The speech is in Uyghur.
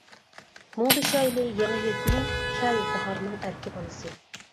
مۇڭدىشايلى يېڭى يىل كۈنى، كەل، باھارنىڭ ئەركە بالىسى.